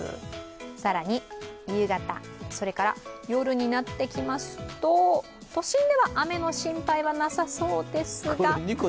更に夕方、それから夜になってきますと、都心では雨の心配はなさそうですが。